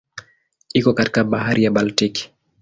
Iko kati ya Bahari ya Baltiki.